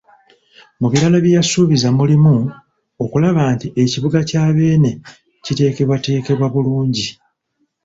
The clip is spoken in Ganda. Mu birala bye yasuubizza mulimu; okulaba nti ekibuga kya Beene kiteekebwateekebwa bulungi.